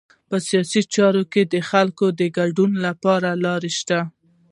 په سیاسي چارو کې د خلکو د ګډون لپاره لارې شته.